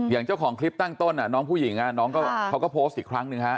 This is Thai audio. อย่างเจ้าของคลิปตั้งต้นน้องผู้หญิงน้องเขาก็โพสต์อีกครั้งหนึ่งฮะ